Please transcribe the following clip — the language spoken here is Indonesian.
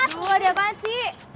loh ada apaan sih